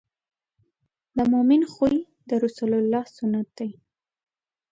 د مؤمن خوی د رسول الله سنت دی.